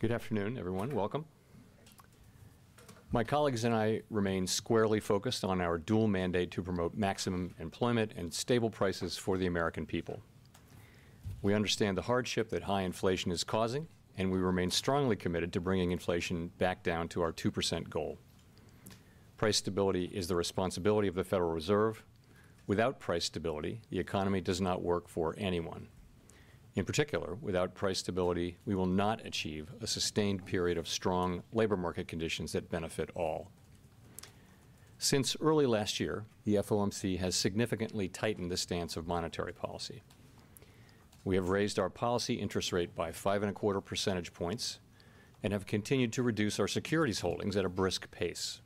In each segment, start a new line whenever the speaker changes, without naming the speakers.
Good afternoon, everyone. Welcome. My colleagues and I remain squarely focused on our dual mandate to promote maximum employment and stable prices for the American people. We understand the hardship that high inflation is causing, and we remain strongly committed to bringing inflation back down to our 2% goal. Price stability is the responsibility of the Federal Reserve. Without price stability, the economy does not work for anyone. In particular, without price stability, we will not achieve a sustained period of strong labor market conditions that benefit all. Since early last year, the FOMC has significantly tightened the stance of monetary policy. We have raised our policy interest rate by 5.25 percentage points and have continued to reduce our securities holdings at a brisk pace.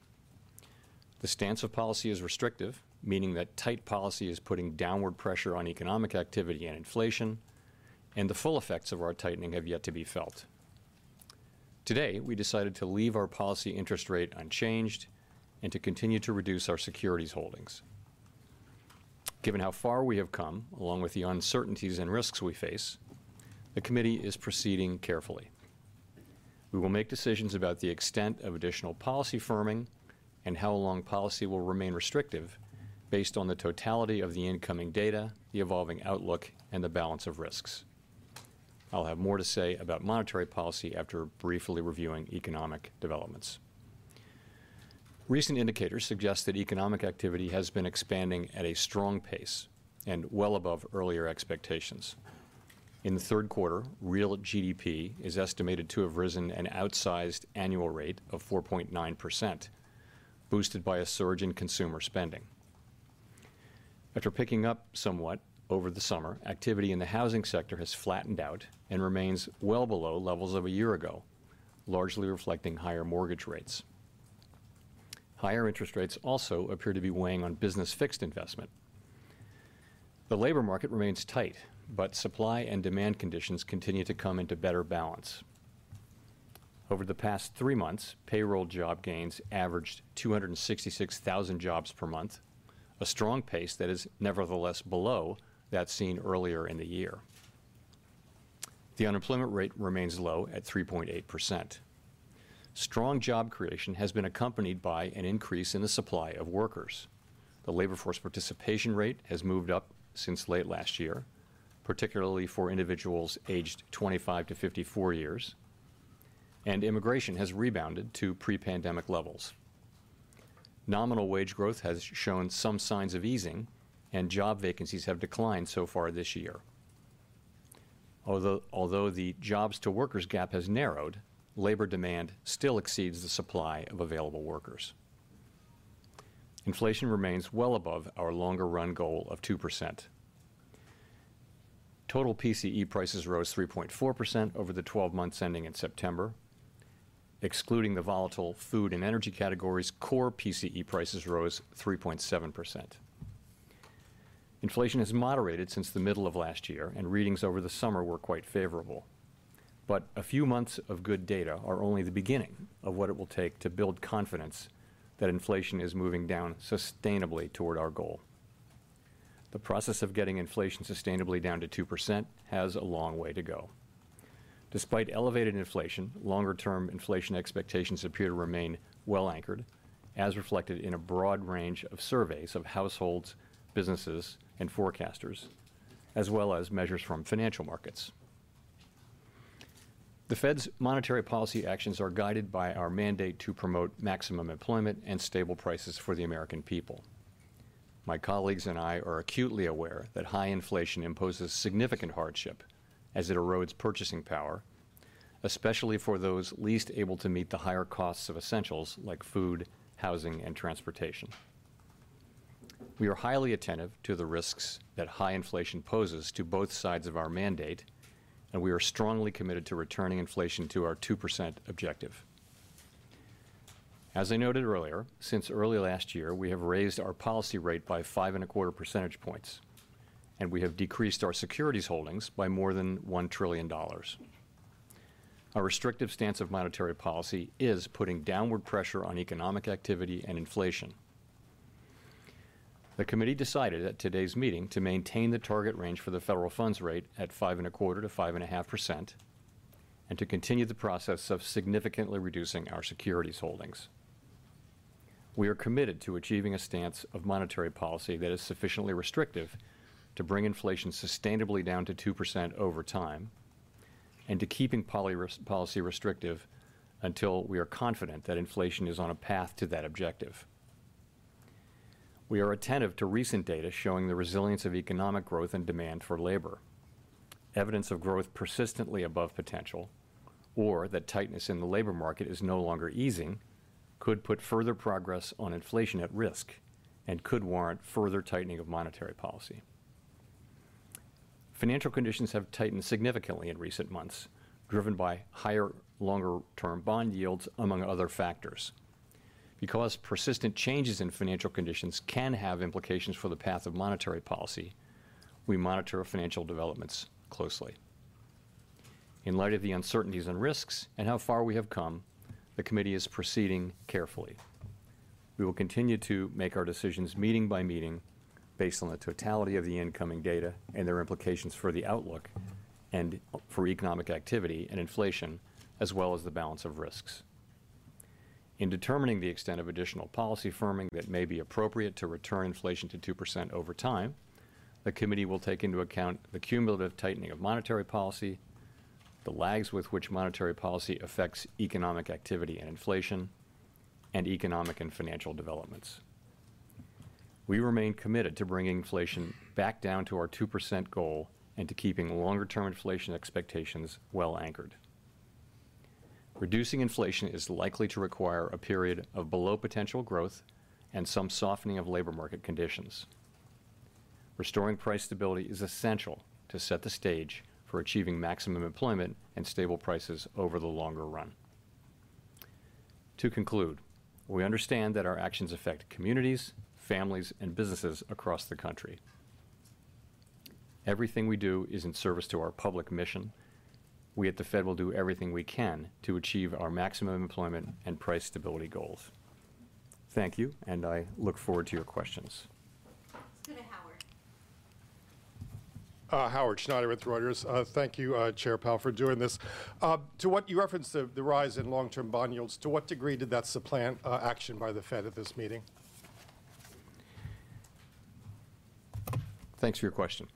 The stance of policy is restrictive, meaning that tight policy is putting downward pressure on economic activity and inflation, and the full effects of our tightening have yet to be felt. Today, we decided to leave our policy interest rate unchanged and to continue to reduce our securities holdings. Given how far we have come, along with the uncertainties and risks we face, the committee is proceeding carefully. We will make decisions about the extent of additional policy firming and how long policy will remain restrictive based on the totality of the incoming data, the evolving outlook, and the balance of risks. I'll have more to say about monetary policy after briefly reviewing economic developments. Recent indicators suggest that economic activity has been expanding at a strong pace and well above earlier expectations. In Q3, real GDP is estimated to have risen an outsized annual rate of 4.9%, boosted by a surge in consumer spending. After picking up somewhat over the summer, activity in the housing sector has flattened out and remains well below levels of a year ago, largely reflecting higher mortgage rates. Higher interest rates also appear to be weighing on business fixed investment. The labor market remains tight, but supply and demand conditions continue to come into better balance. Over the past three months, payroll job gains averaged 266,000 jobs per month, a strong pace that is nevertheless below that seen earlier in the year. The unemployment rate remains low at 3.8%. Strong job creation has been accompanied by an increase in the supply of workers. The labor force participation rate has moved up since late last year, particularly for individuals aged 25-54 years, and immigration has rebounded to pre-pandemic levels. Nominal wage growth has shown some signs of easing, and job vacancies have declined so far this year. Although the jobs-to-workers gap has narrowed, labor demand still exceeds the supply of available workers. Inflation remains well above our longer run goal of 2%. Total PCE prices rose 3.4% over the 12 months ending in September. Excluding the volatile food and energy categories, core PCE prices rose 3.7%. Inflation has moderated since the middle of last year, and readings over the summer were quite favorable. But a few months of good data are only the beginning of what it will take to build confidence that inflation is moving down sustainably toward our goal. The process of getting inflation sustainably down to 2% has a long way to go. Despite elevated inflation, longer-term inflation expectations appear to remain well anchored, as reflected in a broad range of surveys of households, businesses, and forecasters, as well as measures from financial markets. The Fed's monetary policy actions are guided by our mandate to promote maximum employment and stable prices for the American people. My colleagues and I are acutely aware that high inflation imposes significant hardship as it erodes purchasing power, especially for those least able to meet the higher costs of essentials like food, housing, and transportation. We are highly attentive to the risks that high inflation poses to both sides of our mandate, and we are strongly committed to returning inflation to our 2% objective. As I noted earlier, since early last year, we have raised our policy rate by 5.25 percentage points, and we have decreased our securities holdings by more than $1 trillion. Our restrictive stance of monetary policy is putting downward pressure on economic activity and inflation. The committee decided at today's meeting to maintain the target range for the federal funds rate at 5.25%-5.5%, and to continue the process of significantly reducing our securities holdings. We are committed to achieving a stance of monetary policy that is sufficiently restrictive to bring inflation sustainably down to 2% over time and to keeping policy restrictive until we are confident that inflation is on a path to that objective. We are attentive to recent data showing the resilience of economic growth and demand for labor. Evidence of growth persistently above potential or that tightness in the labor market is no longer easing could put further progress on inflation at risk and could warrant further tightening of monetary policy. Financial conditions have tightened significantly in recent months, driven by higher, longer-term bond yields, among other factors. Because persistent changes in financial conditions can have implications for the path of monetary policy, we monitor financial developments closely. In light of the uncertainties and risks and how far we have come, the committee is proceeding carefully. We will continue to make our decisions meeting by meeting, based on the totality of the incoming data and their implications for the outlook and for economic activity and inflation, as well as the balance of risks. In determining the extent of additional policy firming that may be appropriate to return inflation to 2% over time, the committee will take into account the cumulative tightening of monetary policy, the lags with which monetary policy affects economic activity and inflation, and economic and financial developments. We remain committed to bringing inflation back down to our 2% goal and to keeping longer-term inflation expectations well anchored. Reducing inflation is likely to require a period of below-potential growth and some softening of labor market conditions. Restoring price stability is essential to set the stage for achieving maximum employment and stable prices over the longer run. To conclude, we understand that our actions affect communities, families, and businesses across the country. Everything we do is in service to our public mission. We at the Fed will do everything we can to achieve our maximum employment and price stability goals. Thank you, and I look forward to your questions.
Let's go to Howard.
Howard Schneider with Reuters. Thank you, Chair Powell, for doing this. To what You referenced the rise in long-term bond yields. To what degree did that supplant action by the Fed at this meeting?
Thanks for your question.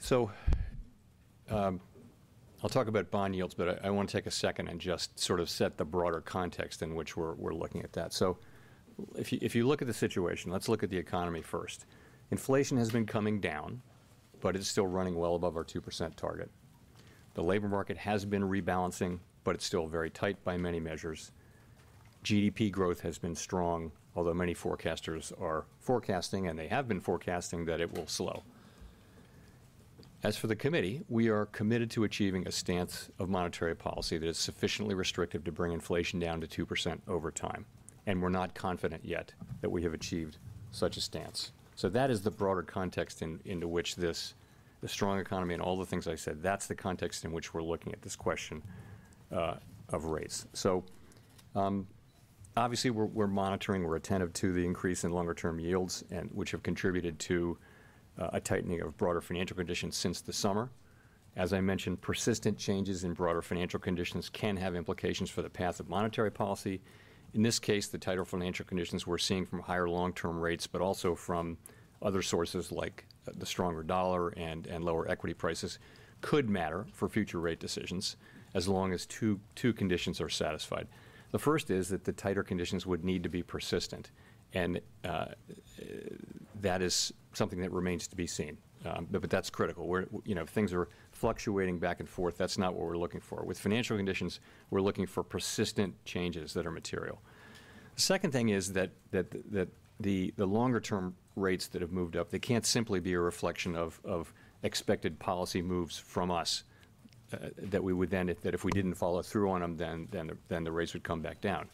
So, I'll talk about bond yields, but I want to take a second and just sort of set the broader context in which we're looking at that. So if you look at the situation, let's look at the economy first. Inflation has been coming down, but it's still running well above our 2% target. The labor market has been rebalancing, but it's still very tight by many measures. GDP growth has been strong, although many forecasters are forecasting, and they have been forecasting, that it will slow. As for the committee, we are committed to achieving a stance of monetary policy that is sufficiently restrictive to bring inflation down to 2% over time, and we're not confident yet that we have achieved such a stance. So that is the broader context into which this, the strong economy and all the things I said, that's the context in which we're looking at this question of rates. So, obviously, we're monitoring, we're attentive to the increase in longer-term yields, and which have contributed to a tightening of broader financial conditions since the summer. As I mentioned, persistent changes in broader financial conditions can have implications for the path of monetary policy. In this case, the tighter financial conditions we're seeing from higher long-term rates, but also from other sources like the stronger dollar and lower equity prices, could matter for future rate decisions as long as two conditions are satisfied. The first is that the tighter conditions would need to be persistent, and that is something that remains to be seen. But that's critical. Where, you know, if things are fluctuating back and forth, that's not what we're looking for. With financial conditions, we're looking for persistent changes that are material. The second thing is that the longer-term rates that have moved up, they can't simply be a reflection of expected policy moves from us that if we didn't follow through on them, then the rates would come back down.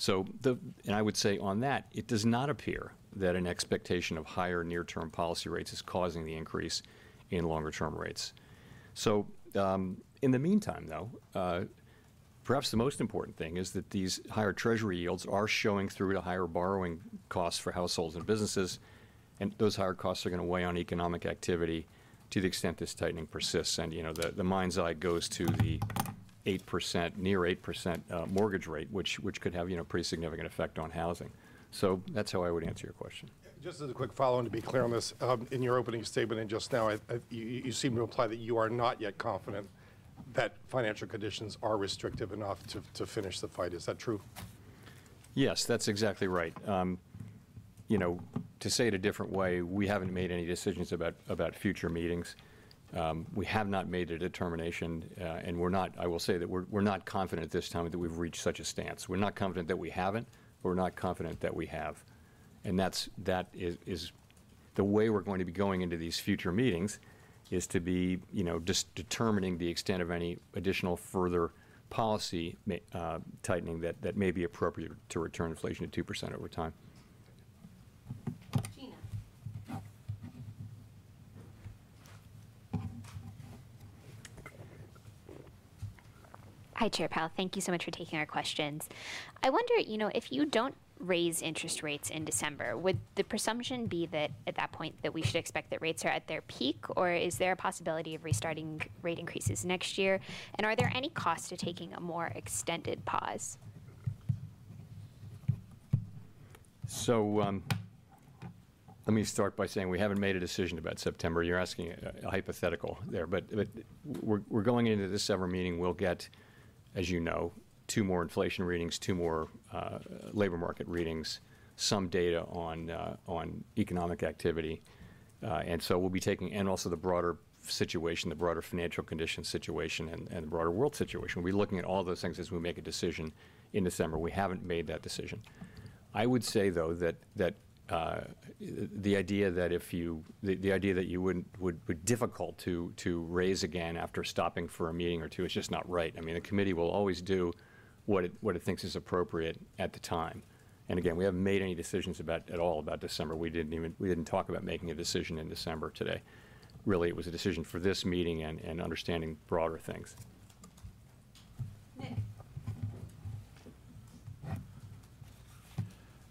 So, and I would say on that, it does not appear that an expectation of higher near-term policy rates is causing the increase in longer-term rates. So, in the meantime, though, perhaps the most important thing is that these higher Treasury yields are showing through to higher borrowing costs for households and businesses, and those higher costs are gonna weigh on economic activity to the extent this tightening persists. You know, the mind's eye goes to the 8%, near 8% mortgage rate, which could have, you know, a pretty significant effect on housing. So that's how I would answer your question.
Just as a quick follow-on to be clear on this. In your opening statement and just now, you seem to imply that you are not yet confident that financial conditions are restrictive enough to finish the fight. Is that true?
Yes, that's exactly right. You know, to say it a different way, we haven't made any decisions about future meetings. We have not made a determination, and we're not. I will say that we're not confident at this time that we've reached such a stance. We're not confident that we haven't, but we're not confident that we have. And that's the way we're going to be going into these future meetings, you know, just determining the extent of any additional further policy tightening that may be appropriate to return inflation to 2% over time.
Jeanna.
Hi, Chair Powell. Thank you so much for taking our questions. I wonder, you know, if you don't raise interest rates in December, would the presumption be that, at that point, that we should expect that rates are at their peak, or is there a possibility of restarting rate increases next year? And are there any costs to taking a more extended pause?
Let me start by saying we haven't made a decision about September. You're asking a hypothetical there. We're going into this December meeting, we'll get, as you know, 2 more inflation readings, 2 more labor market readings, some data on economic activity, and so we'll be taking and also the broader situation, the broader financial conditions situation and the broader world situation. We'll be looking at all those things as we make a decision in December. We haven't made that decision. I would say, though, that the idea that if you the idea that you wouldn't would be difficult to raise again after stopping for a meeting or 2 is just not right. I mean, the committee will always do what it thinks is appropriate at the time. And again, we haven't made any decisions about, at all, about December. We didn't talk about making a decision in December today. Really, it was a decision for this meeting and understanding broader things.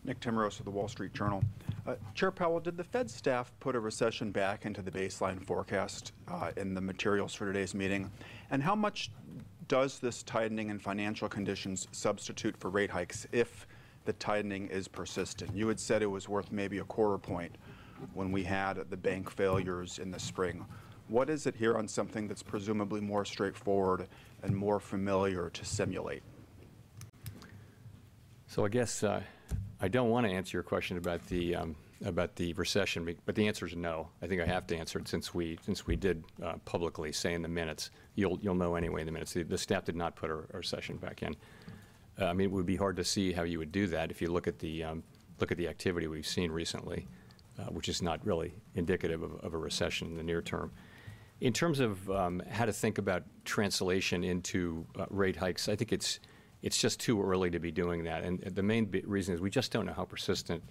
Nick Timiraos of The Wall Street Journal. Chair Powell, did the Fed staff put a recession back into the baseline forecast in the materials for today's meeting? And how much does this tightening in financial conditions substitute for rate hikes if the tightening is persistent? You had said it was worth maybe a quarter-point when we had the bank failures in the spring. What is it here on something that's presumably more straightforward and more familiar to simulate?
So I guess, I don't wanna answer your question about the, about the recession, but the answer is no. I think I have to answer it, since we did publicly say in the minutes. You'll know anyway, in the minutes. The staff did not put a recession back in. I mean, it would be hard to see how you would do that if you look at the activity we've seen recently, which is not really indicative of a recession in the near term. In terms of how to think about translation into rate hikes, I think it's just too early to be doing that. And the main reason is, we just don't know how persistent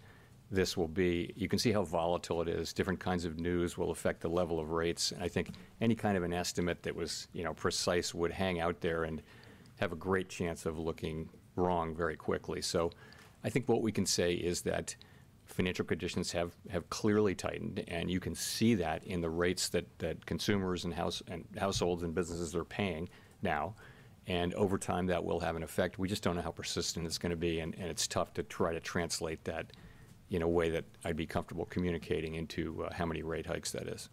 this will be. You can see how volatile it is. Different kinds of news will affect the level of rates, and I think any kind of an estimate that was, you know, precise, would hang out there and have a great chance of looking wrong very quickly. So I think what we can say is that financial conditions have clearly tightened, and you can see that in the rates that consumers, and households and businesses are paying now, and over time, that will have an effect. We just don't know how persistent it's gonna be, and it's tough to try to translate that in a way that I'd be comfortable communicating into how many rate hikes that is.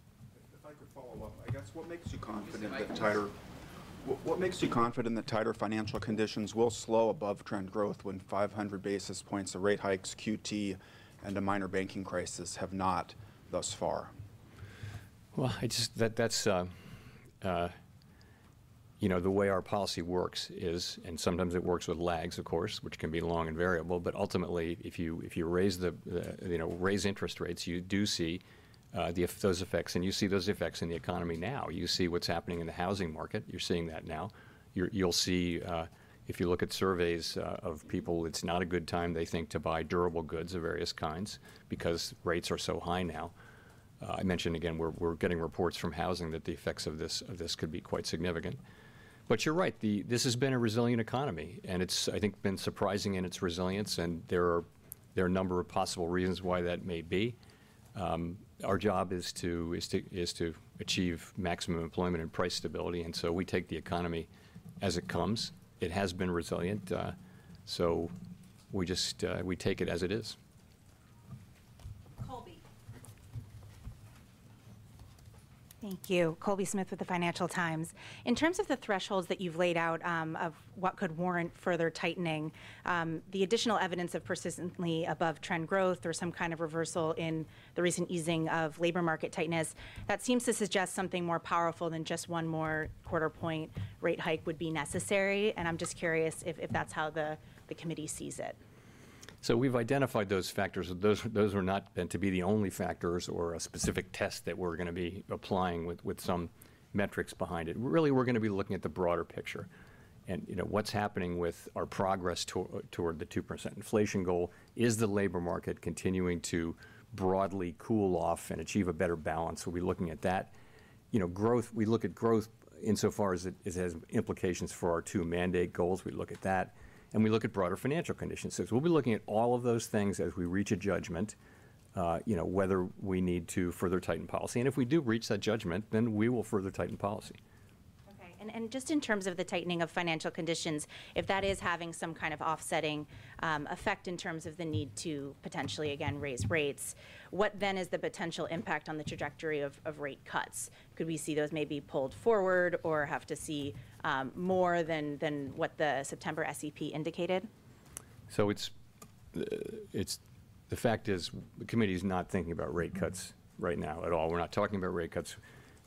If I could follow up, I guess. What makes you confident that tighter financial conditions will slow above-trend growth when 500 basis points of rate hikes, QT, and a minor banking crisis have not thus far?
Well, I just, that, that's You know, the way our policy works is, and sometimes it works with lags, of course, which can be long and variable, but ultimately, if you raise, you know, raise interest rates, you do see those effects, and you see those effects in the economy now. You see what's happening in the housing market. You're seeing that now. You'll see, if you look at surveys of people, it's not a good time, they think, to buy durable goods of various kinds because rates are so high now. I mentioned again, we're getting reports from housing that the effects of this could be quite significant. But you're right, this has been a resilient economy, and it's, I think, been surprising in its resilience, and there are a number of possible reasons why that may be. Our job is to achieve maximum employment and price stability, and so we take the economy as it comes. It has been resilient, so we just, we take it as it is.
Colby.
Thank you. Colby Smith with the Financial Times. In terms of the thresholds that you've laid out, of what could warrant further tightening, the additional evidence of persistently above-trend growth or some kind of reversal in the recent easing of labor market tightness, that seems to suggest something more powerful than just one more quarter-point rate hike would be necessary, and I'm just curious if that's how the committee sees it.
So we've identified those factors. Those were not meant to be the only factors or a specific test that we're gonna be applying with some metrics behind it. Really, we're gonna be looking at the broader picture and, you know, what's happening with our progress toward the 2% inflation goal. Is the labor market continuing to broadly cool off and achieve a better balance? We'll be looking at that. You know, growth, we look at growth insofar as it has implications for our two mandate goals. We look at that, and we look at broader financial conditions. So we'll be looking at all of those things as we reach a judgment, you know, whether we need to further tighten policy, and if we do reach that judgment, then we will further tighten policy.
Okay, and just in terms of the tightening of financial conditions, if that is having some kind of offsetting effect in terms of the need to potentially, again, raise rates, what then is the potential impact on the trajectory of rate cuts? Could we see those maybe pulled forward or have to see more than what the September SEP indicated?
So it's the fact is, the committee's not thinking about rate cuts right now at all. We're not talking about rate cuts.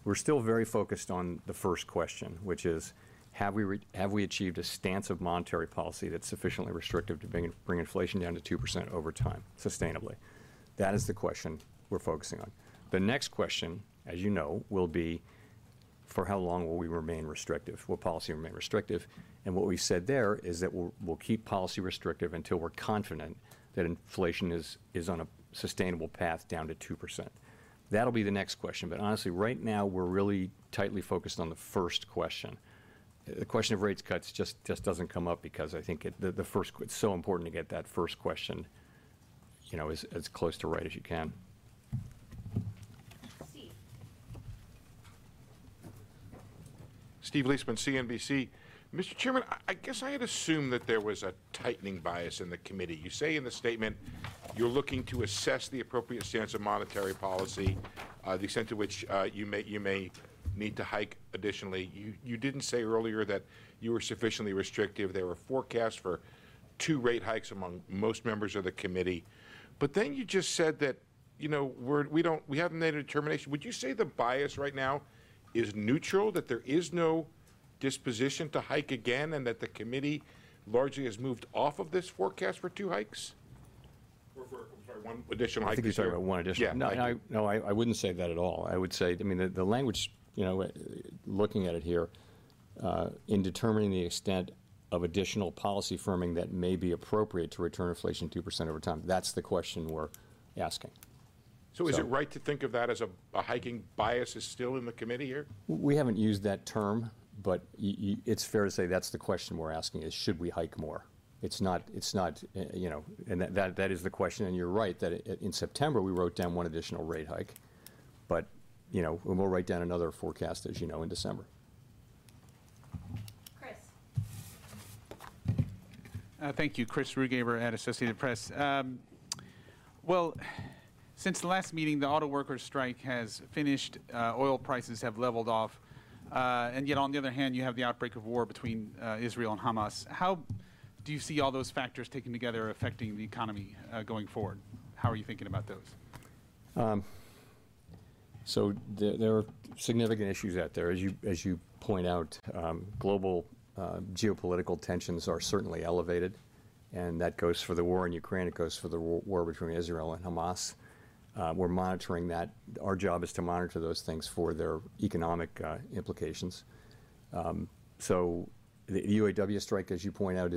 We're still very focused on the first question, which is: Have we achieved a stance of monetary policy that's sufficiently restrictive to bring inflation down to 2% over time, sustainably? That is the question we're focusing on. The next question, as you know, will be: For how long will we remain restrictive, will policy remain restrictive? And what we've said there is that we'll keep policy restrictive until we're confident that inflation is on a sustainable path down to 2%. That'll be the next question. But honestly, right now, we're really tightly focused on the first question. The question of rate cuts just doesn't come up because I think it The first, it's so important to get that first question, you know, as close to right as you can.
Steve.
Steve Liesman, CNBC. Mr. Chairman, I guess I had assumed that there was a tightening bias in the committee. You say in the statement you're looking to assess the appropriate stance of monetary policy, the extent to which you may need to hike additionally. You didn't say earlier that you were sufficiently restrictive. There were forecasts for two rate hikes among most members of the committee. But then you just said that, you know, we're, we don't, we haven't made a determination. Would you say the bias right now is neutral, that there is no disposition to hike again, and that the committee largely has moved off of this forecast for two hikes or for, I'm sorry, one additional hike this year?
I think you're talking about one additional-
Yeah, hike.
No, I wouldn't say that at all. I would say, I mean, the language, you know, looking at it here, "In determining the extent of additional policy firming that may be appropriate to return inflation to 2% over time," that's the question we're asking.
So is it right to think of that as a hiking bias is still in the committee here?
We haven't used that term, but it's fair to say that's the question we're asking, is, "Should we hike more?" It's not, it's not, you know, and that is the question, and you're right, that in September, we wrote down one additional rate hike. But, you know, and we'll write down another forecast, as you know, in December.
Chris.
Thank you. Chris Rugaber at Associated Press. Well, since the last meeting, the auto workers strike has finished, oil prices have leveled off, and yet, on the other hand, you have the outbreak of war between Israel and Hamas. How do you see all those factors, taken together, affecting the economy, going forward? How are you thinking about those?
So there are significant issues out there. As you point out, global geopolitical tensions are certainly elevated, and that goes for the war in Ukraine, it goes for the war between Israel and Hamas. We're monitoring that. Our job is to monitor those things for their economic implications. So the UAW strike, as you point out,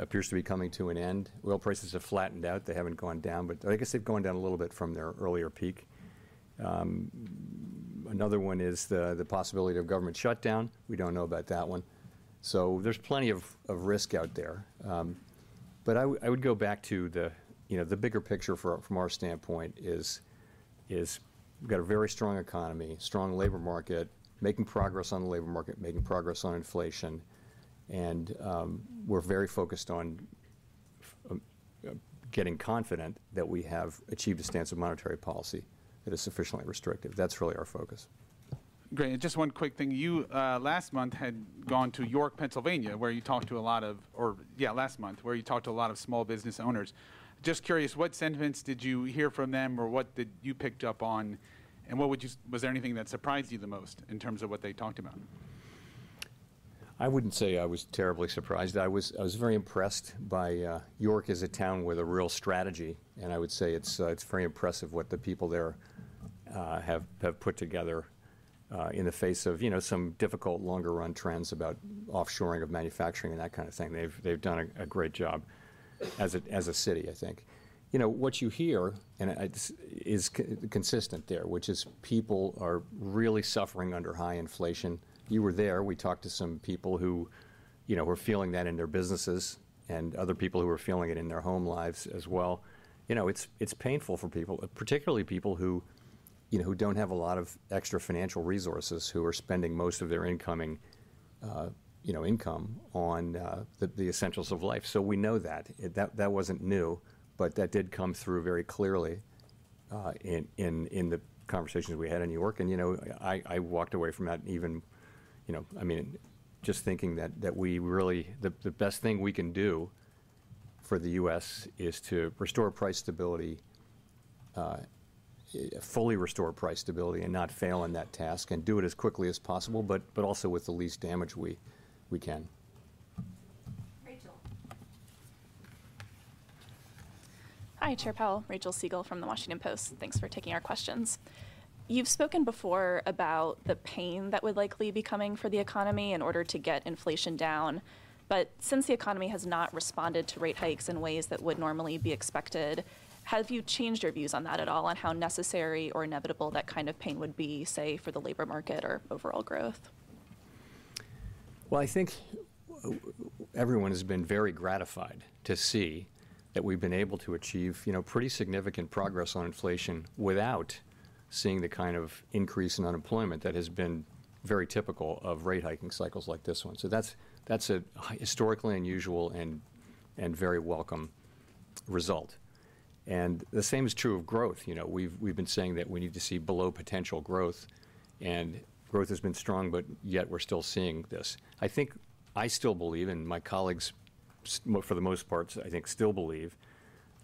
appears to be coming to an end. Oil prices have flattened out. They haven't gone down, but I guess they've gone down a little bit from their earlier peak. Another one is the possibility of government shutdown. We don't know about that one. So there's plenty of risk out there. But I would go back to the, you know, the bigger picture. From our standpoint, we've got a very strong economy, strong labor market, making progress on the labor market, making progress on inflation, and we're very focused on getting confident that we have achieved a stance of monetary policy that is sufficiently restrictive. That's really our focus.
Great, and just one quick thing. You last month had gone to York, Pennsylvania, where you talked to a lot of or, yeah, last month, where you talked to a lot of small business owners. Just curious, what sentiments did you hear from them, or what did you picked up on, and what would y was there anything that surprised you the most in terms of what they talked about?
I wouldn't say I was terribly surprised. I was very impressed by York as a town with a real strategy, and I would say it's very impressive what the people there have put together in the face of, you know, some difficult longer-run trends about offshoring of manufacturing and that kind of thing. They've done a great job as a city, I think. You know, what you hear, and it's consistent there, which is people are really suffering under high inflation. You were there. We talked to some people who, you know, were feeling that in their businesses and other people who were feeling it in their home lives as well. You know, it's painful for people, particularly people who, you know, who don't have a lot of extra financial resources, who are spending most of their income on the essentials of life. So we know that. That wasn't new, but that did come through very clearly in the conversations we had in York. And, you know, I walked away from that even, you know I mean, just thinking that we really, the best thing we can do for the U.S. is to restore price stability, fully restore price stability and not fail in that task, and do it as quickly as possible, but also with the least damage we can.
Rachel.
Hi, Chair Powell. Rachel Siegel from The Washington Post. Thanks for taking our questions. You've spoken before about the pain that would likely be coming for the economy in order to get inflation down. But since the economy has not responded to rate hikes in ways that would normally be expected, have you changed your views on that at all, on how necessary or inevitable that kind of pain would be, say, for the labor market or overall growth?
Well, I think everyone has been very gratified to see that we've been able to achieve, you know, pretty significant progress on inflation without seeing the kind of increase in unemployment that has been very typical of rate hiking cycles like this one. So that's a historically unusual and very welcome result. And the same is true of growth. You know, we've been saying that we need to see below potential growth, and growth has been strong, but yet we're still seeing this. I think I still believe, and my colleagues for the most part, I think, still believe,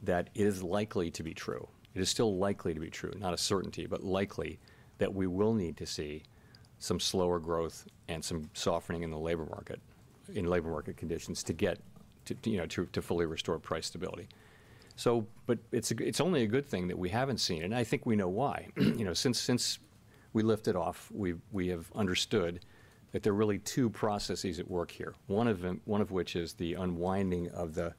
that it is likely to be true. It is still likely to be true, not a certainty, but likely, that we will need to see some slower growth and some softening in the labor market, in labor market conditions, to get to, you know, fully restore price stability. So but it's only a good thing that we haven't seen, and I think we know why. You know, since we lifted off, we've, we have understood that there are really two processes at work here, one of them, one of which is the unwinding of the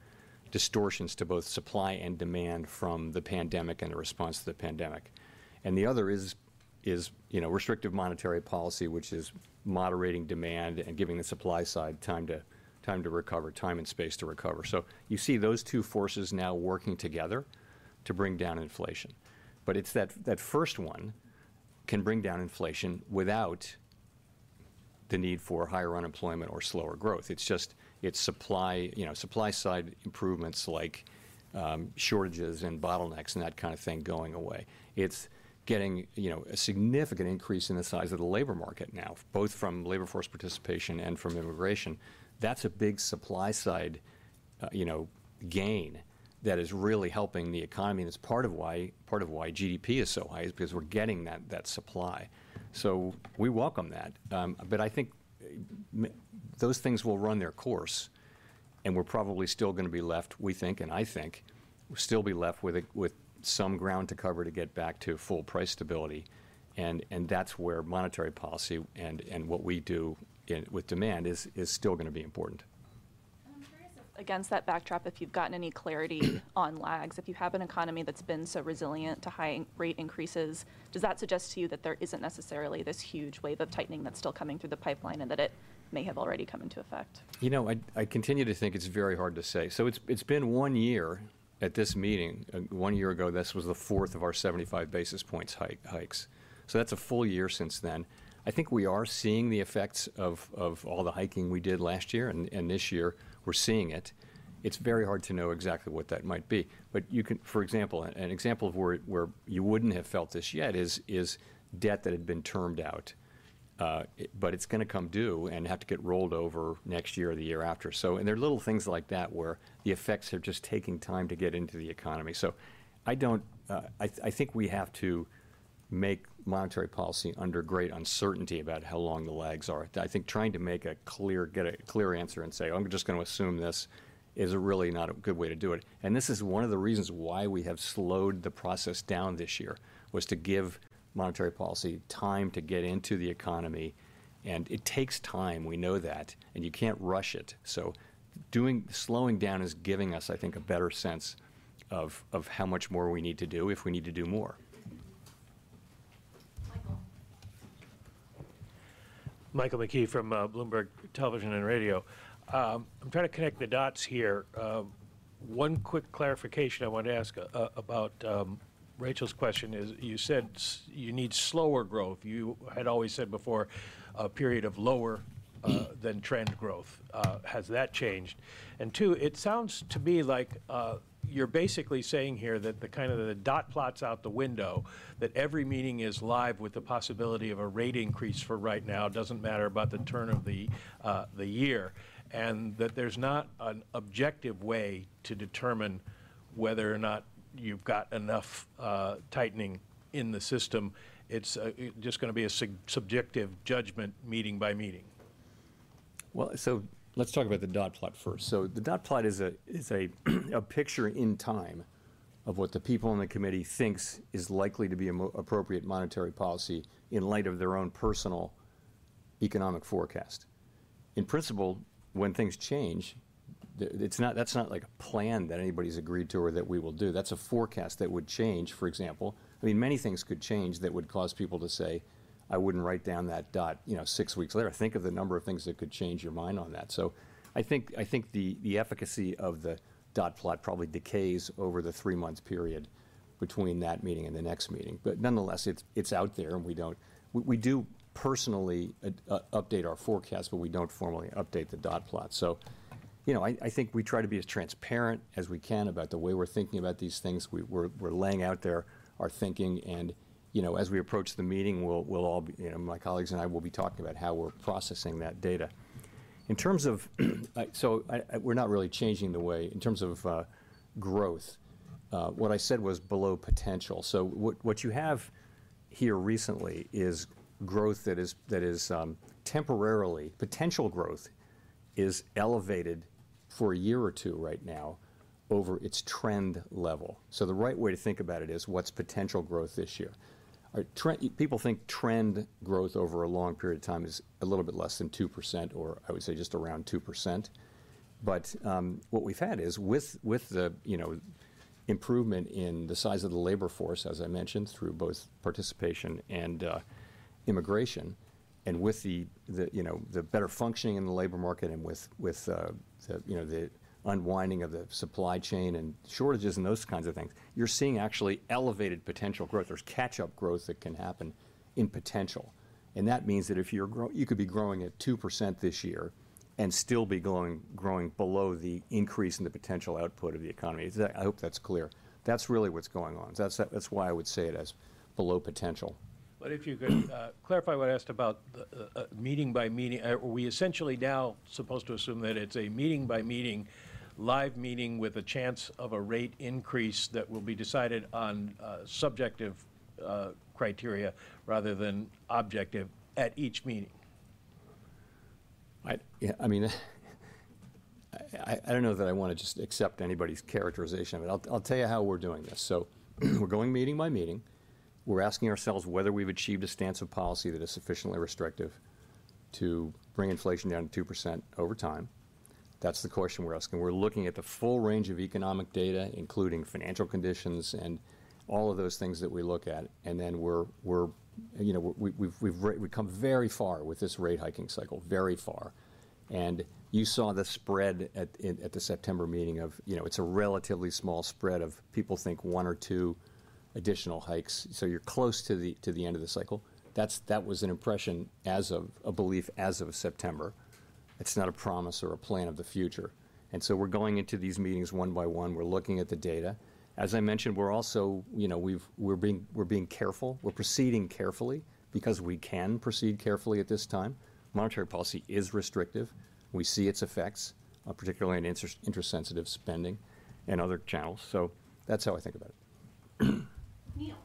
distortions to both supply and demand from the pandemic and the response to the pandemic. And the other is, you know, restrictive monetary policy, which is moderating demand and giving the supply side time to recover, time and space to recover. So you see those two forces now working together to bring down inflation. But it's that, that first one can bring down inflation without the need for higher unemployment or slower growth. It's just, it's supply, you know, supply-side improvements like, shortages and bottlenecks and that kind of thing going away. It's getting, you know, a significant increase in the size of the labor market now, both from labor force participation and from immigration. That's a big supply side, you know, gain that is really helping the economy, and it's part of why, part of why GDP is so high, is because we're getting that, that supply. So we welcome that. But I think those things will run their course, and we're probably still gonna be left, we think, and I think, still be left with some ground to cover to get back to full price stability. And that's where monetary policy and what we do with demand is still gonna be important.
Against that backdrop, if you've gotten any clarity on lags, if you have an economy that's been so resilient to high interest rate increases, does that suggest to you that there isn't necessarily this huge wave of tightening that's still coming through the pipeline and that it may have already come into effect?
You know, I continue to think it's very hard to say. So it's been one year at this meeting. One year ago, this was the fourth of our 75 basis points hike, hikes. So that's a full year since then. I think we are seeing the effects of all the hiking we did last year and this year, we're seeing it. It's very hard to know exactly what that might be. But you can, for example, an example of where you wouldn't have felt this yet is debt that had been termed out. But it's gonna come due and have to get rolled over next year or the year after. So, there are little things like that, where the effects are just taking time to get into the economy. So I don't I think we have to make monetary policy under great uncertainty about how long the lags are. I think trying to make a clear, get a clear answer and say, "I'm just gonna assume this," is really not a good way to do it. And this is one of the reasons why we have slowed the process down this year, was to give monetary policy time to get into the economy, and it takes time. We know that, and you can't rush it. So doing, slowing down is giving us, I think, a better sense of how much more we need to do, if we need to do more. Michael.
Michael McKee from Bloomberg Television and Radio. I'm trying to connect the dots here. One quick clarification I want to ask about Rachel's question is, you said you need slower growth. You had always said before, a period of lower than trend growth. Has that changed? And two, it sounds to me like you're basically saying here that the kind of the dot plot's out the window, that every meeting is live with the possibility of a rate increase for right now, doesn't matter about the turn of the year, and that there's not an objective way to determine whether or not you've got enough tightening in the system. It's just gonna be a subjective judgment, meeting by meeting.
Well, so let's talk about the dot plot first. So the dot plot is a picture in time of what the people on the committee thinks is likely to be a more appropriate monetary policy in light of their own personal economic forecast. In principle, when things change, it's not, that's not, like, a plan that anybody's agreed to or that we will do. That's a forecast that would change, for example. I mean, many things could change that would cause people to say, "I wouldn't write down that dot, you know, six weeks later." Think of the number of things that could change your mind on that. So I think the efficacy of the dot plot probably decays over the three-month period between that meeting and the next meeting. But nonetheless, it's out there, and we don't, we do personally update our forecast, but we don't formally update the dot plot. So, you know, I think we try to be as transparent as we can about the way we're thinking about these things. We're laying out there our thinking and, you know, as we approach the meeting, we'll all be, you know, my colleagues and I will be talking about how we're processing that data. In terms of, so we're not really changing the way. In terms of, growth, what I said was below potential. So what you have here recently is growth that is temporarily potential growth is elevated for a year or two right now over its trend level. So the right way to think about it is, what's potential growth this year? Our trend people think trend growth over a long period of time is a little bit less than 2%, or I would say just around 2%. But what we've had is, with the, you know, improvement in the size of the labor force, as I mentioned, through both participation and immigration, and with the, you know, the better functioning in the labor market and with the, you know, the unwinding of the supply chain and shortages and those kinds of things, you're seeing actually elevated potential growth. There's catch-up growth that can happen in potential, and that means that if you're growing at 2% this year and still be growing below the increase in the potential output of the economy. Is that, I hope that's clear. That's really what's going on. That's, that's why I would say it as below potential.
But if you could clarify what I asked about the meeting by meeting. Are we essentially now supposed to assume that it's a meeting by meeting, live meeting, with a chance of a rate increase that will be decided on subjective criteria rather than objective at each meeting?
Yeah, I mean, I don't know that I wanna just accept anybody's characterization, but I'll tell you how we're doing this. So, we're going meeting by meeting. We're asking ourselves whether we've achieved a stance of policy that is sufficiently restrictive to bring inflation down to 2% over time. That's the question we're asking. We're looking at the full range of economic data, including financial conditions and all of those things that we look at, and then we're, you know, we've come very far with this rate hiking cycle, very far. And you saw the spread at the September meeting of, you know, it's a relatively small spread of people think one or two additional hikes. So you're close to the end of the cycle. That was an impression as of a belief as of September. It's not a promise or a plan of the future. And so we're going into these meetings one by one. We're looking at the data. As I mentioned, we're also, you know, we're being careful. We're proceeding carefully because we can proceed carefully at this time. Monetary policy is restrictive. We see its effects, particularly in interest-sensitive spending and other channels. So that's how I think about it.
Neil.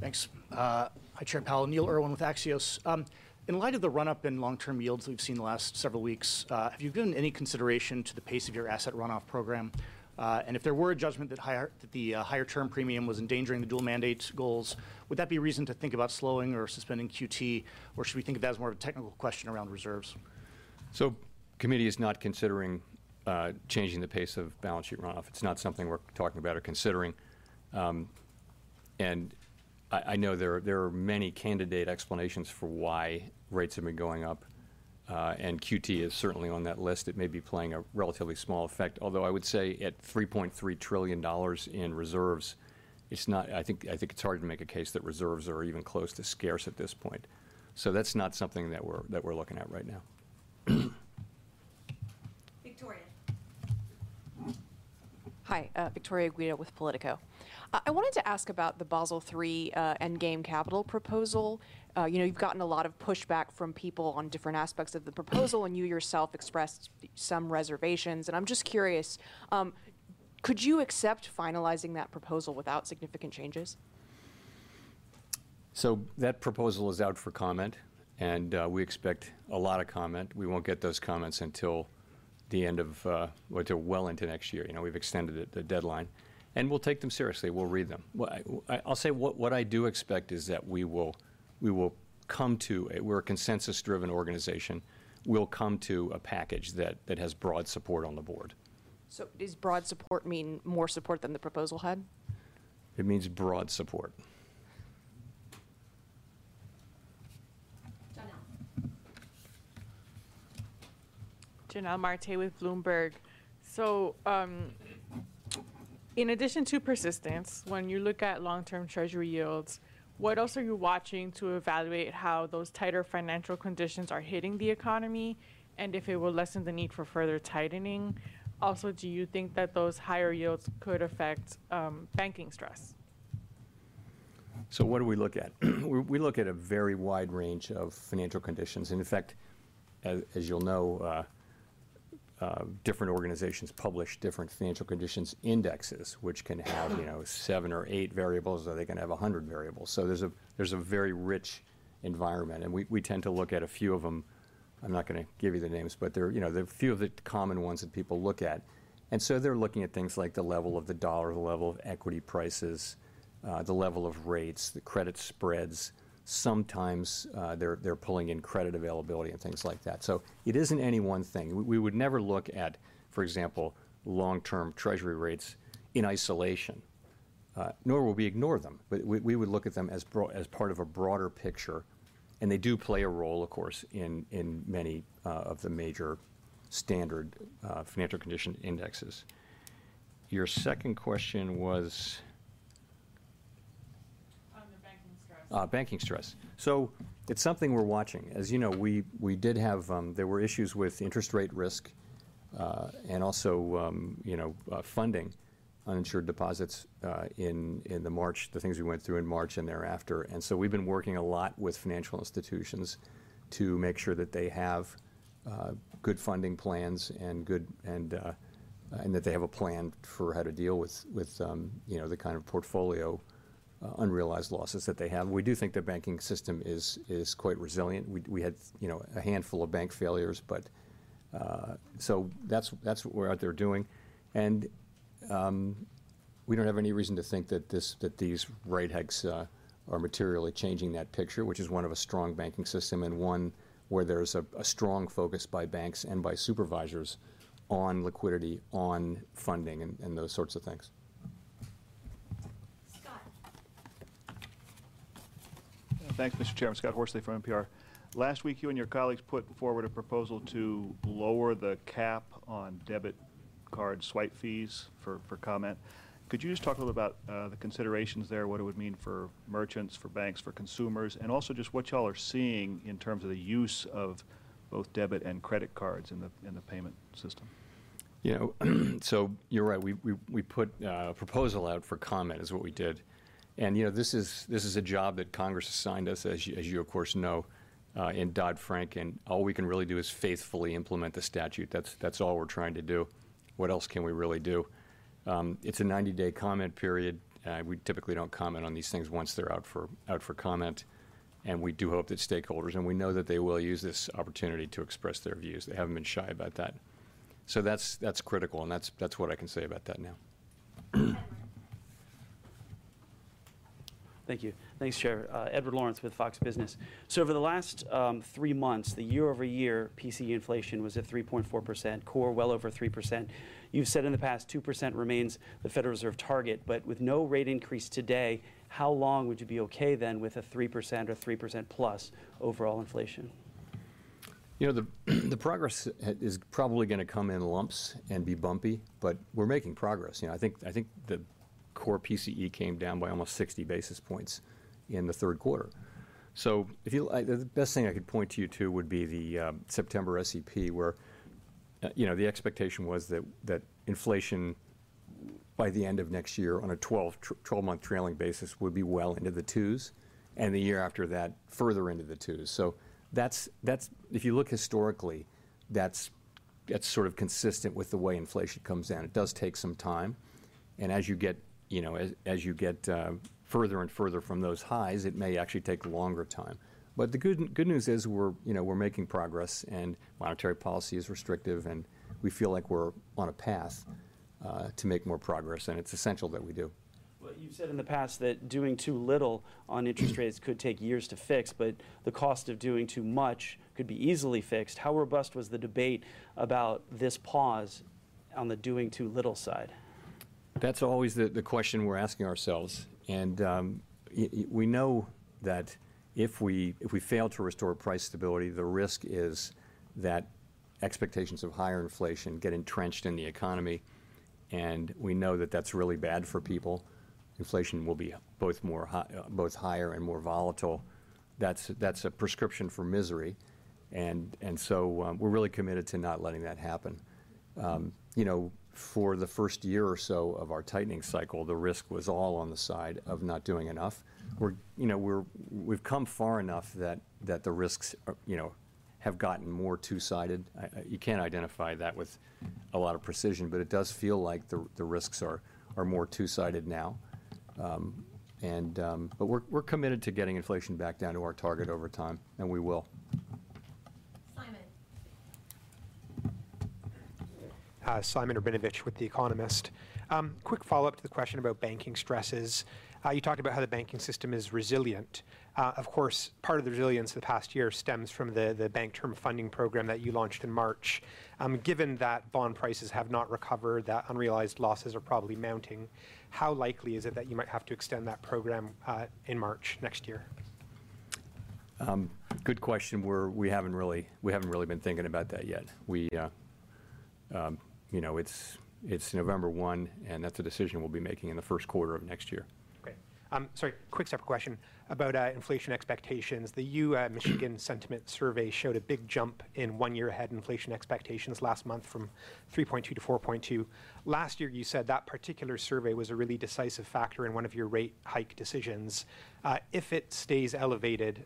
Thanks. Hi, Chair Powell, Neil Irwin with Axios. In light of the run-up in long-term yields we've seen the last several weeks, have you given any consideration to the pace of your asset runoff program? And if there were a judgment that the higher-term premium was endangering the dual mandate goals, would that be a reason to think about slowing or suspending QT, or should we think of that as more of a technical question around reserves?
The committee is not considering changing the pace of balance sheet runoff. It's not something we're talking about or considering. I know there are many candidate explanations for why rates have been going up, and QT is certainly on that list. It may be playing a relatively small effect, although I would say at $3.3 trillion in reserves, it's not. I think it's hard to make a case that reserves are even close to scarce at this point. So that's not something that we're looking at right now.
Victoria.
Hi, Victoria Guida with Politico. I wanted to ask about the Basel III endgame capital proposal. You know, you've gotten a lot of pushback from people on different aspects of the proposal, and you yourself expressed some reservations. And I'm just curious, could you accept finalizing that proposal without significant changes?
So that proposal is out for comment, and, we expect a lot of comment. We won't get those comments until the end of, or till well into next year. You know, we've extended it, the deadline. And we'll take them seriously. We'll read them. Well, I, I'll say what I do expect is that we will, we will come to a, we're a consensus-driven organization. We'll come to a package that, that has broad support on the Board.
So does broad support mean more support than the proposal had?
It means broad support.
Jonnelle.
Jonnelle Marte with Bloomberg. So, in addition to persistence, when you look at long-term Treasury yields, what else are you watching to evaluate how those tighter financial conditions are hitting the economy, and if it will lessen the need for further tightening? Also, do you think that those higher yields could affect banking stress?
So what do we look at? We look at a very wide range of financial conditions. And in fact, as you'll know, different organizations publish different financial conditions indexes, which can have, you know, 7 or 8 variables, or they can have 100 variables. So there's a very rich environment, and we tend to look at a few of them. I'm not gonna give you the names, but they're, you know, they're few of the common ones that people look at. And so they're looking at things like the level of the dollar, the level of equity prices, the level of rates, the credit spreads. Sometimes, they're pulling in credit availability and things like that. So it isn't any one thing. We, we would never look at, for example, long-term Treasury rates in isolation, nor will we ignore them. But we, we would look at them as part of a broader picture, and they do play a role, of course, in many of the major standard financial condition indexes. Your second question was?
On the banking stress.
Banking stress. So it's something we're watching. As you know, we did have. There were issues with interest rate risk, and also, you know, funding uninsured deposits, in March, the things we went through in March and thereafter. And so we've been working a lot with financial institutions to make sure that they have good funding plans and good, and that they have a plan for how to deal with, with, you know, the kind of portfolio unrealized losses that they have. We do think the banking system is quite resilient. We had, you know, a handful of bank failures, but, so that's what we're out there doing. We don't have any reason to think that these rate hikes are materially changing that picture, which is one of a strong banking system and one where there's a strong focus by banks and by supervisors on liquidity, on funding, and those sorts of things.
Scott.
Thanks, Mr. Chairman. Scott Horsley from NPR. Last week, you and your colleagues put forward a proposal to lower the cap on debit card swipe fees for comment. Could you just talk a little about the considerations there, what it would mean for merchants, for banks, for consumers, and also just what y'all are seeing in terms of the use of both debit and credit cards in the payment system?
Yeah, so you're right. We put a proposal out for comment, is what we did. And, you know, this is a job that Congress assigned us, as you, of course, know, in Dodd-Frank, and all we can really do is faithfully implement the statute. That's all we're trying to do. What else can we really do? It's a 90-day comment period. We typically don't comment on these things once they're out for comment. And we do hope that stakeholders, and we know that they will use this opportunity to express their views. They haven't been shy about that. So that's critical, and that's what I can say about that now.
Thank you. Thanks, Chair. Edward Lawrence with Fox Business. So over the last three months, the year-over-year PCE inflation was at 3.4%, core well over 3%. You've said in the past, 2% remains the Federal Reserve target, but with no rate increase today, how long would you be okay then, with a 3% or 3%+ overall inflation?
You know, the progress is probably gonna come in lumps and be bumpy, but we're making progress. You know, I think the core PCE came down by almost 60 basis points in Q3. So if you, the best thing I could point you to would be the September SEP, where you know, the expectation was that inflation, by the end of next year, on a 12-month trailing basis, would be well into the twos, and the year after that, further into the twos. So that's, if you look historically, that's sort of consistent with the way inflation comes down. It does take some time, and as you get, you know, as you get further and further from those highs, it may actually take a longer time. But the good, good news is we're, you know, we're making progress, and monetary policy is restrictive, and we feel like we're on a path to make more progress, and it's essential that we do.
But you've said in the past that doing too little on interest rates could take years to fix, but the cost of doing too much could be easily fixed. How robust was the debate about this pause on the doing-too-little side?
That's always the question we're asking ourselves, and we know that if we fail to restore price stability, the risk is that expectations of higher inflation get entrenched in the economy, and we know that that's really bad for people. Inflation will be both higher and more volatile. That's a prescription for misery, and so we're really committed to not letting that happen. You know, for the first year or so of our tightening cycle, the risk was all on the side of not doing enough. You know, we've come far enough that the risks have gotten more two-sided. You can't identify that with a lot of precision, but it does feel like the risks are more two-sided now. We're committed to getting inflation back down to our target over time, and we will.
Simon.
Simon Rabinovitch with The Economist. Quick follow-up to the question about banking stresses. You talked about how the banking system is resilient. Of course, part of the resilience the past year stems from the Bank Term Funding Program that you launched in March. Given that bond prices have not recovered, that unrealized losses are probably mounting, how likely is it that you might have to extend that program in March next year?
Good question. We haven't really been thinking about that yet. You know, it's November one, and that's a decision we'll be making in Q1 of next year.
Okay. Sorry, quick separate question about inflation expectations. The University of Michigan Sentiment Survey showed a big jump in one-year-ahead inflation expectations last month from 3.2 to 4.2. Last year, you said that particular survey was a really decisive factor in one of your rate hike decisions. If it stays elevated,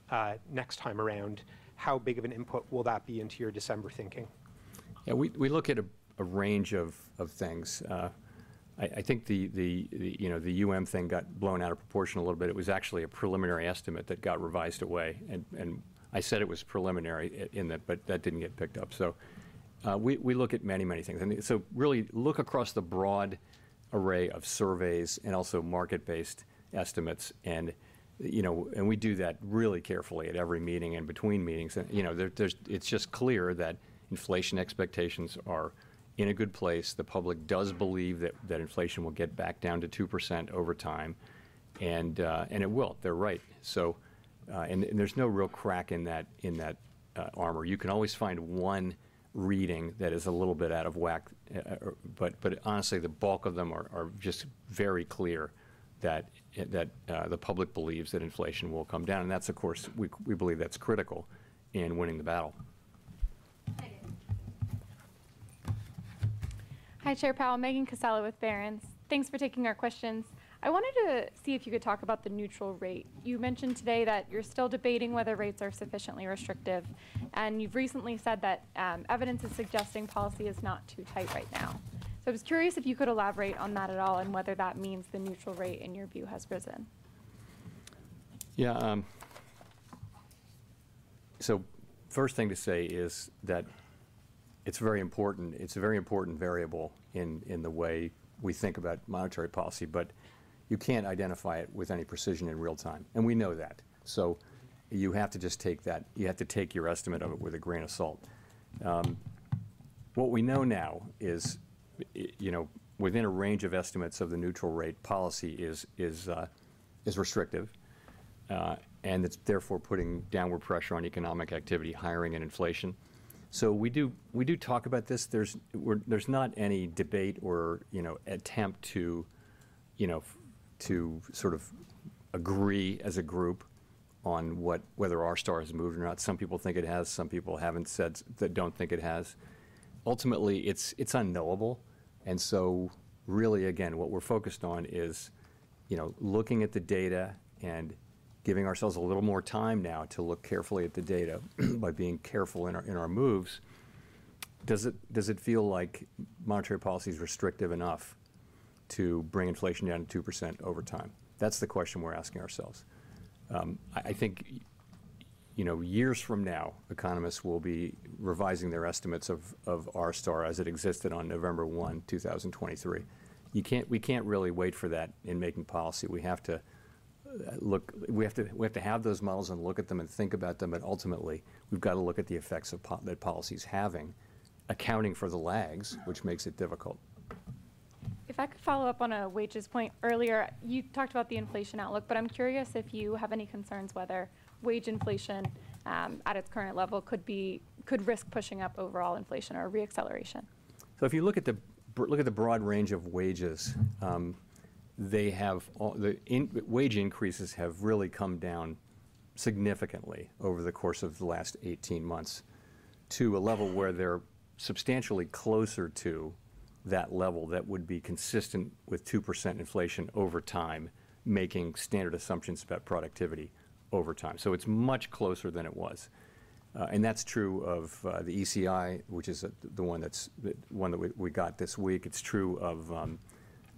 next time around, how big of an input will that be into your December thinking?
Yeah, we look at a range of things. I think, you know, the UM thing got blown out of proportion a little bit. It was actually a preliminary estimate that got revised away, and I said it was preliminary at in that, but that didn't get picked up. So, we look at many things. So really, look across the broad array of surveys and also market-based estimates and, you know, and we do that really carefully at every meeting and between meetings. You know, it's just clear that inflation expectations are in a good place. The public does believe that inflation will get back down to 2% over time, and it will. They're right. So, there's no real crack in that armor. You can always find one reading that is a little bit out of whack, but honestly, the bulk of them are just very clear that the public believes that inflation will come down, and that's, of course, we believe that's critical in winning the battle.
Megan.
Hi, Chair Powell. Megan Cassella with Barron's. Thanks for taking our questions. I wanted to see if you could talk about the neutral rate. You mentioned today that you're still debating whether rates are sufficiently restrictive, and you've recently said that, evidence is suggesting policy is not too tight right now. So I was curious if you could elaborate on that at all, and whether that means the neutral rate, in your view, has risen.
Yeah, so first thing to say is that it's very important. It's a very important variable in the way we think about monetary policy, but you can't identify it with any precision in real time, and we know that. So you have to just take that. You have to take your estimate of it with a grain of salt. What we know now is, you know, within a range of estimates of the neutral rate, policy is restrictive, and it's therefore putting downward pressure on economic activity, hiring, and inflation. So we do talk about this. There's not any debate or, you know, attempt to, you know, to sort of agree as a group on what whether r-star has moved or not. Some people think it has, some people haven't said, don't think it has. Ultimately, it's, it's unknowable, and so really, again, what we're focused on is, you know, looking at the data and giving ourselves a little more time now to look carefully at the data by being careful in our, in our moves. Does it, does it feel like monetary policy is restrictive enough to bring inflation down to 2% over time? That's the question we're asking ourselves. I think, you know, years from now, economists will be revising their estimates of r-star as it existed on November 1, 2023. You can't we can't really wait for that in making policy. We have to look, we have to, we have to have those models and look at them and think about them, but ultimately, we've got to look at the effects of that policy's having, accounting for the lags, which makes it difficult.
If I could follow up on a wages point. Earlier, you talked about the inflation outlook, but I'm curious if you have any concerns whether wage inflation, at its current level, could risk pushing up overall inflation or re-acceleration?
If you look at the broad range of wages, they have all, The wage increases have really come down significantly over the course of the last 18 months to a level where they're substantially closer to that level that would be consistent with 2% inflation over time, making standard assumptions about productivity over time. It's much closer than it was. That's true of the ECI, which is the one that we got this week. It's true of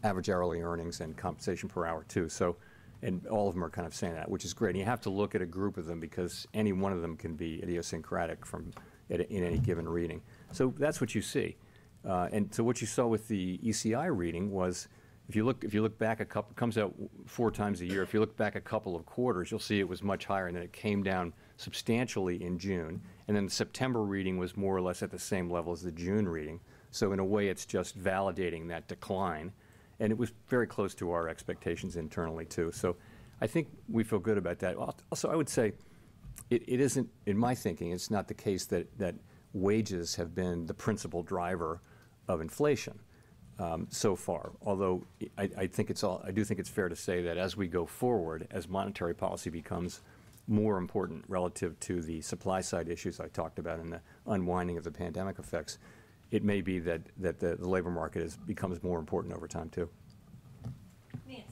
average hourly earnings and compensation per hour, too. All of them are kind of saying that, which is great. You have to look at a group of them, because any one of them can be idiosyncratic in any given reading. That's what you see. And so what you saw with the ECI reading was, if you look back a couple of quarters, you'll see it was much higher, and then it came down substantially in June. And then the September reading was more or less at the same level as the June reading. So in a way, it's just validating that decline, and it was very close to our expectations internally, too. So I think we feel good about that. Also, I would say, it isn't, in my thinking, it's not the case that wages have been the principal driver of inflation, so far. Although I do think it's fair to say that as we go forward, as monetary policy becomes more important relative to the supply-side issues I talked about and the unwinding of the pandemic effects, it may be that the labor market becomes more important over time, too.
Nancy.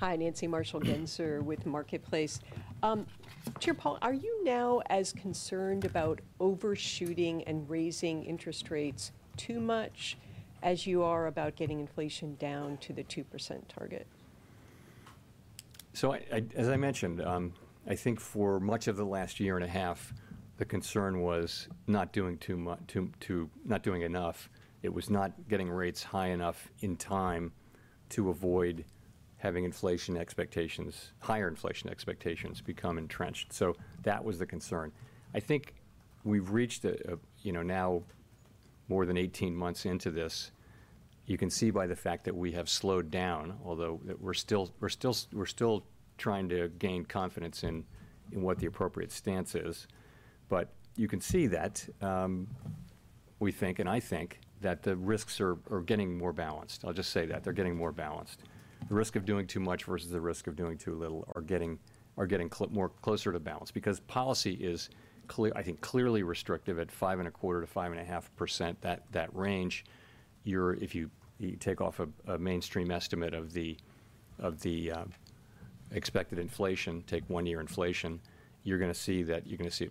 Hi, Nancy Marshall-Genzer with Marketplace. Chair Powell, are you now as concerned about overshooting and raising interest rates too much, as you are about getting inflation down to the 2% target?
So as I mentioned, I think for much of the last year and a half, the concern was not doing too much, not doing enough. It was not getting rates high enough in time to avoid having inflation expectations, higher inflation expectations, become entrenched. So that was the concern. I think we've reached, you know, now more than 18 months into this, you can see by the fact that we have slowed down, although we're still trying to gain confidence in what the appropriate stance is. But you can see that we think, and I think, that the risks are getting more balanced. I'll just say that, they're getting more balanced. The risk of doing too much versus the risk of doing too little are getting more closer to balance. Because policy is, I think, clearly restrictive at 5.25%-5.5%, that range. If you take off a mainstream estimate of the expected inflation, take one-year inflation, you're gonna see that you're gonna see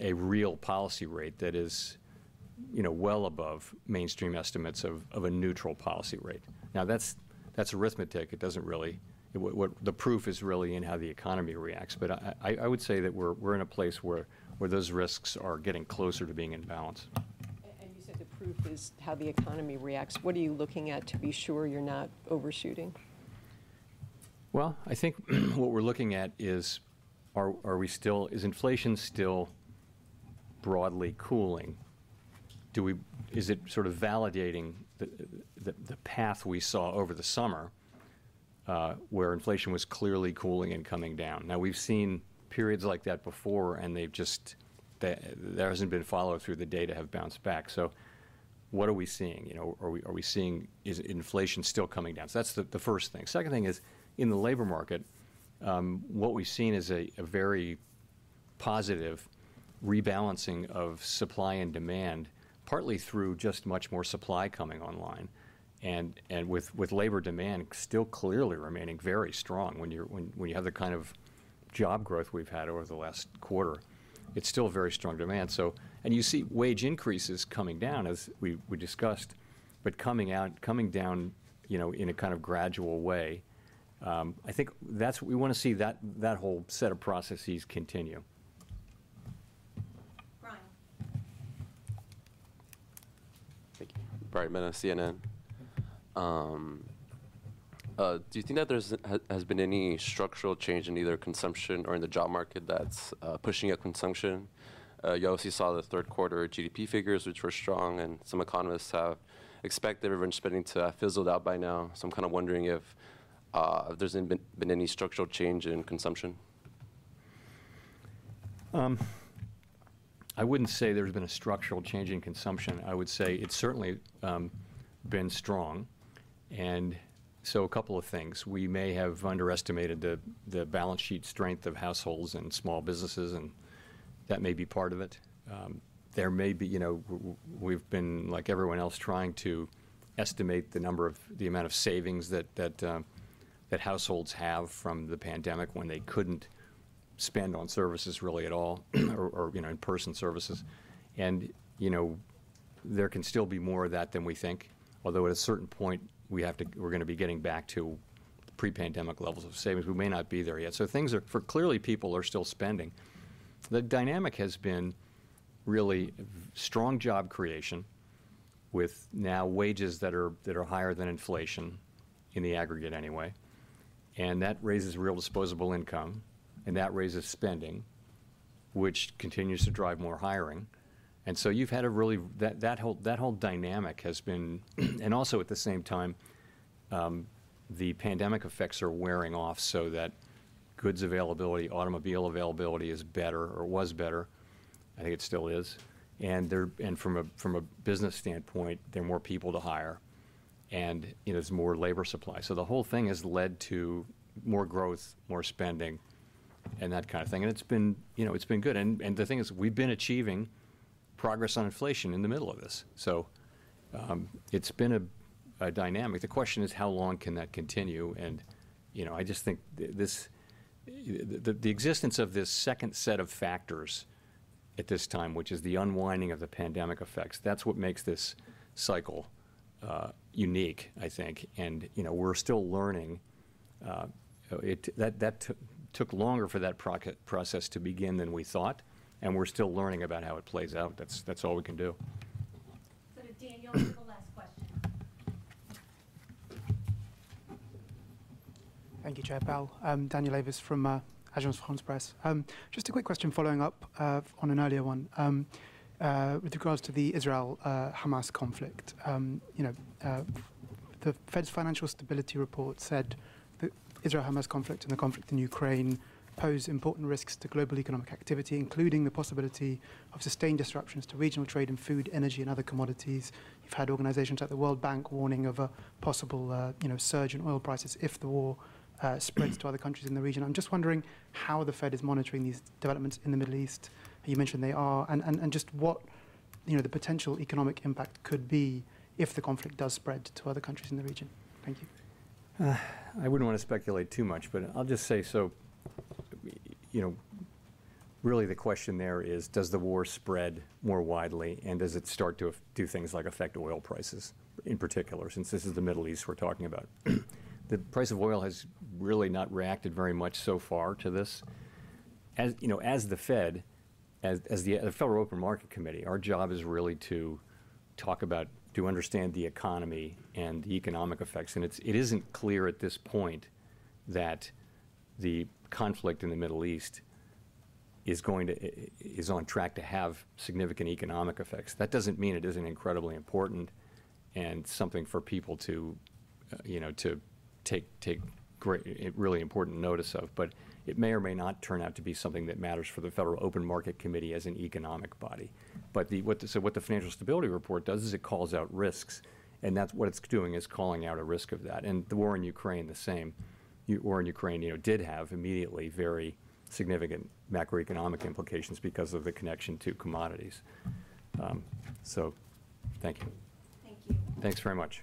a real policy rate that is, you know, well above mainstream estimates of a neutral policy rate. Now, that's arithmetic. It doesn't really. What the proof is really in how the economy reacts. But I would say that we're in a place where those risks are getting closer to being in balance.
You said the proof is how the economy reacts. What are you looking at to be sure you're not overshooting?
Well, I think what we're looking at is, are we still? Is inflation still broadly cooling? Do we? Is it sort of validating the path we saw over the summer, where inflation was clearly cooling and coming down? Now, we've seen periods like that before, and they've just, there hasn't been follow-through, the data have bounced back. So what are we seeing? You know, are we seeing? Is inflation still coming down? So that's the first thing. Second thing is, in the labor market, what we've seen is a very positive rebalancing of supply and demand, partly through just much more supply coming online, and with labor demand still clearly remaining very strong. When you have the kind of job growth we've had over the last quarter, it's still very strong demand. So, and you see wage increases coming down, as we discussed, but coming out, coming down, you know, in a kind of gradual way. I think that's. We wanna see that whole set of processes continue.
Bryan.
Thank you. Bryan Mena, CNN. Do you think that there has been any structural change in either consumption or in the job market that's pushing up consumption? You obviously saw the Q3 GDP figures, which were strong, and some economists have expected revenge spending to have fizzled out by now. So I'm kind of wondering if there's been any structural change in consumption.
I wouldn't say there's been a structural change in consumption. I would say it's certainly been strong. And so a couple of things: We may have underestimated the balance sheet strength of households and small businesses, and that may be part of it. There may be, you know, we've been, like everyone else, trying to estimate the number of, the amount of savings that households have from the pandemic, when they couldn't spend on services really at all, or, you know, in-person services. And, you know, there can still be more of that than we think, although at a certain point, we have to. We're gonna be getting back to the pre-pandemic levels of savings. We may not be there yet. So things are. Clearly, people are still spending. The dynamic has been really strong job creation, with now wages that are higher than inflation, in the aggregate anyway. And that raises real disposable income, and that raises spending, which continues to drive more hiring. And so you've had a really, That whole dynamic has been, And also, at the same time, the pandemic effects are wearing off, so that goods availability, automobile availability is better or was better. I think it still is. And from a business standpoint, there are more people to hire, and, you know, there's more labor supply. So the whole thing has led to more growth, more spending, and that kind of thing. And it's been, you know, it's been good. And the thing is, we've been achieving progress on inflation in the middle of this, so it's been a dynamic. The question is: How long can that continue? And, you know, I just think the existence of this second set of factors at this time, which is the unwinding of the pandemic effects, that's what makes this cycle unique, I think. And, you know, we're still learning that that took longer for that process to begin than we thought, and we're still learning about how it plays out. That's all we can do.
Daniel, the last question.
Thank you, Chair Powell. Daniel Avis from Agence France-Presse. Just a quick question following up on an earlier one. With regards to the Israel-Hamas conflict, you know, the Fed's Financial Stability Report said the Israel-Hamas conflict and the conflict in Ukraine pose important risks to global economic activity, including the possibility of sustained disruptions to regional trade in food, energy, and other commodities. We've had organizations like the World Bank warning of a possible, you know, surge in oil prices if the war spreads to other countries in the region. I'm just wondering how the Fed is monitoring these developments in the Middle East. You mentioned they are, and just what, you know, the potential economic impact could be if the conflict does spread to other countries in the region. Thank you.
I wouldn't want to speculate too much, but I'll just say so, you know, really the question there is: Does the war spread more widely, and does it start to do things like affect oil prices in particular, since this is the Middle East we're talking about? The price of oil has really not reacted very much so far to this. You know, as the Fed, the Federal Open Market Committee, our job is really to talk about, to understand the economy and the economic effects. And it isn't clear at this point that the conflict in the Middle East is going to is on track to have significant economic effects. That doesn't mean it isn't incredibly important and something for people to, you know, to take great really important notice of. But it may or may not turn out to be something that matters for the Federal Open Market Committee as an economic body. But the, what the so what the Financial Stability Report does is it calls out risks, and that's what it's doing, is calling out a risk of that, and the war in Ukraine, the same. The war in Ukraine, you know, did have immediately very significant macroeconomic implications because of the connection to commodities. So thank you.
Thanks very much.